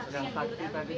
pak tari yang tadi pak